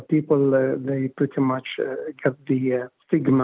di mana orang orang kita cukup mengatakan stigma